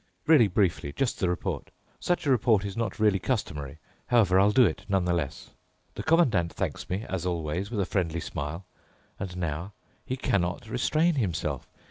Really briefly—just the report. Such a report is not really customary; however, I'll do it, nonetheless. The Commandant thanks me, as always, with a friendly smile. And now he cannot restrain himself.